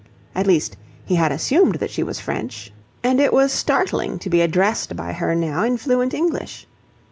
At least he had assumed that she was French, and it was startling to be addressed by her now in fluent English.